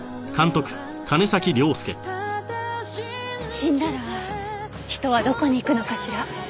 死んだら人はどこに行くのかしら？